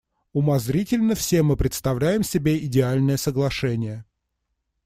Умозрительно все мы представляем себе идеальное соглашение.